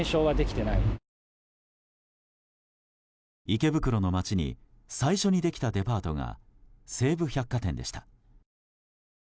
池袋の街に最初にできたデパートが西武百貨店でした。